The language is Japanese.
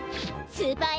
スーパーＡ